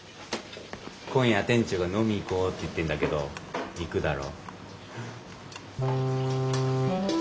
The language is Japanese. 今夜店長が飲み行こうって言ってんだけど行くだろ？